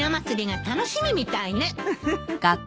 フフフフ。